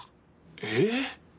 えっ？